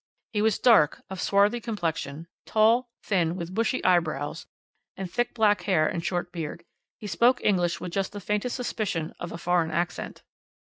He was dark, of swarthy complexion, tall, thin, with bushy eyebrows and thick black hair and short beard. He spoke English with just the faintest suspicion of a foreign accent.'